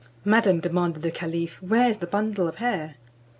"Madam," demanded the caliph, "where is the bundle of hair?"